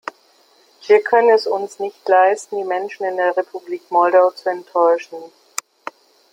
Wir können es uns nicht leisten, die Menschen in der Republik Moldau zu enttäuschen.